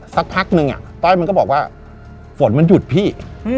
สักพักนึงต้อยมันก็บอกว่าฝนมันหยุดพี่